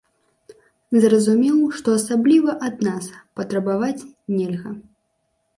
Зразумеў, што асабліва ад нас патрабаваць нельга.